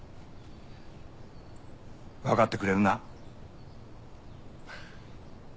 わかってくれるな？